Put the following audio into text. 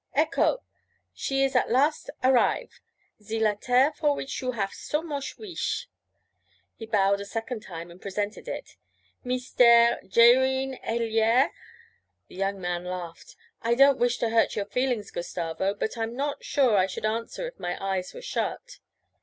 'Ecco! She is at last arrive, ze lettair for which you haf so moch weesh.' He bowed a second time and presented it. 'Meestair Jayreen Ailyar!' The young man laughed. 'I don't wish to hurt your feelings, Gustavo, but I'm not sure I should answer if my eyes were shut.'